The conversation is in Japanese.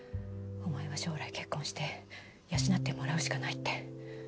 「お前は将来結婚して養ってもらうしかない」って。